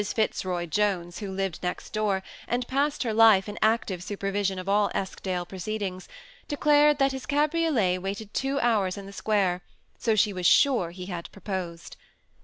Fitzroy Jones, who lived next door, and passed her life in an active super vision of all Eskdale proceedings, declared that his cabriolet waited two hours in the square ; so she was sure he had proposed.